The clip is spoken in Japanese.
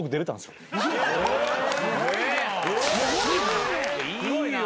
すごいな！